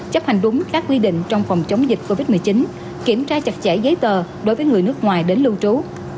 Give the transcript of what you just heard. chấp hành đúng các quy định trong phòng chống dịch covid một mươi chín kiểm tra chặt chẽ giấy tờ đối với người nước ngoài đến lưu trú